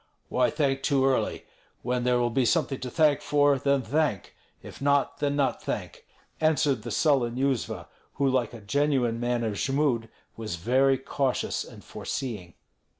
"Why thank too early? When there will be something to thank for, then thank; if not, then not thank," answered the sullen Yuzva, who, like a genuine man of Jmud, was very cautious and foreseeing.